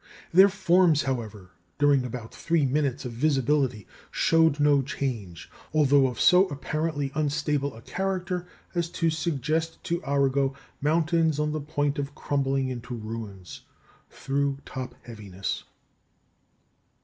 Their forms, however, during about three minutes of visibility, showed no change, although of so apparently unstable a character as to suggest to Arago "mountains on the point of crumbling into ruins" through topheaviness.